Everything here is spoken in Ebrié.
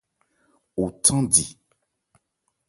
O thándi.